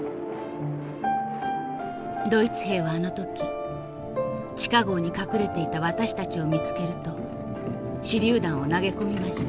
「ドイツ兵はあの時地下壕に隠れていた私たちを見つけると手榴弾を投げ込みました。